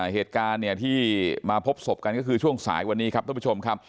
เหตุการณ์ที่มาพบศพกันก็คือช่วงสายวันนี้ครับท่านผู้ชมครับ